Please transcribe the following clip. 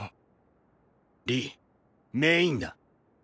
「リメイン」だ。